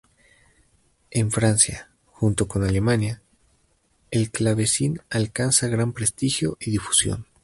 En Francia, junto con Alemania, el clavecín alcanza gran prestigio y difusión.